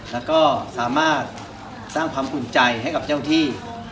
แล้วก็สามารถสร้างความอุ่นใจให้กับเจ้าที่